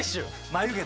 眉毛！？